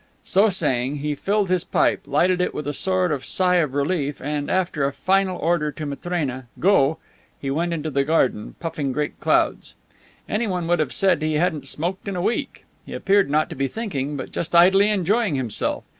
So saying, he filled his pipe, lighted it with a sort of sigh of relief, and, after a final order to Matrena, "Go," he went into the garden, puffing great clouds. Anyone would have said he hadn't smoked in a week. He appeared not to be thinking but just idly enjoying himself.